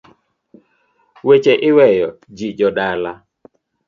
Weche iweyo, ji jodala.